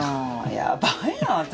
やばいな私。